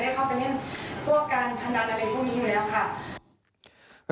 หรือว่าไม่เคยได้เข้าไปเล่นพวกการพนันอะไรพวกนี้อยู่แล้วค่ะ